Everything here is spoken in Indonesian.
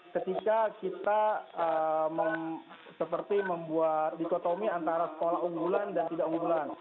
ketika kita seperti membuat dikotomi antara sekolah unggulan dan tidak unggulan